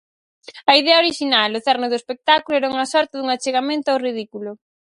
A idea orixinal, o cerne do espectáculo, era unha sorte dun achegamento ao ridículo.